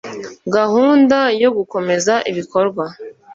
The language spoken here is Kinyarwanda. gahunda yo gukomeza ibikorwa